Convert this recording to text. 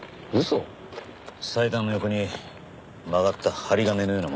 祭壇の横に曲がった針金のようなものが。